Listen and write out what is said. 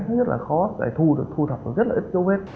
thì rất là khó để thu được thu thập được rất là ít dấu vết